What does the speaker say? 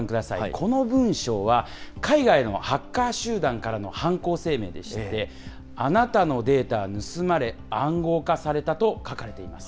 この文章は、海外のハッカー集団からの犯行声明でして、あなたのデータは盗まれ暗号化されたと書かれています。